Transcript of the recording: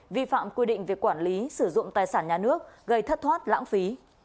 vi phạm quy định về quản lý sử dụng tài sản nhà nước gây thất thoát lãng phí